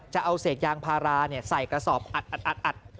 จะเอาเศษยางพาราใส่กระสอบอัด